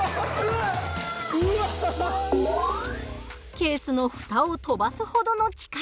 ケースの蓋を飛ばすほどの力。